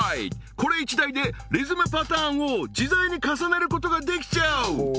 これ１台でリズムパターンを自在に重ねることができちゃう！